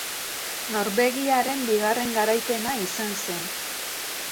Norvegiaren bigarren garaipena izan zen.